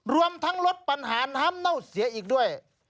รวมทั้งลดปัญหาน้ำเน่าเสียอีกด้วย